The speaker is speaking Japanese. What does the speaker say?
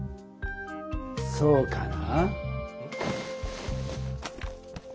そうかな？